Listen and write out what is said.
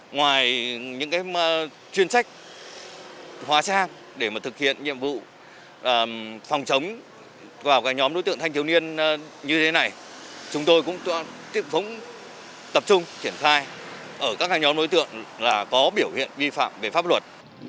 ngoài những chuyên trách hóa trang để thực hiện nhiệm vụ phòng chống vào nhóm đối tượng thanh thiếu niên như thế này chúng tôi cũng tiếp dũng tập trung triển khai ở các nhóm đối tượng có biểu hiện vi phạm về pháp luật